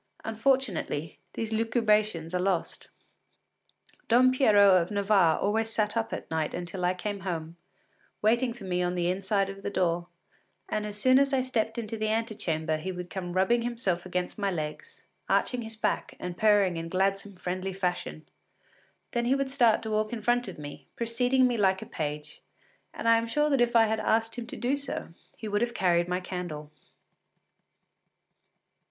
Unfortunately, these lucubrations are lost. Don Pierrot of Navarre always sat up at night until I came home, waiting for me on the inside of the door, and as soon as I stepped into the antechamber he would come rubbing himself against my legs, arching his back and purring in gladsome, friendly fashion. Then he would start to walk in front of me, preceding me like a page, and I am sure that if I had asked him to do so, he would have carried my candle.